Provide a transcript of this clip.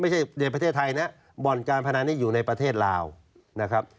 ในประเทศไทยนะบ่อนการพนันนี้อยู่ในประเทศลาวนะครับ